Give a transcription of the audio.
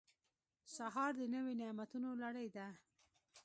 سهار د نوي نعمتونو لړۍ ده.